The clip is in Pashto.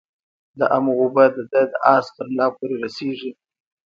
د امو اوبه د ده د آس ترملا پوري رسیږي.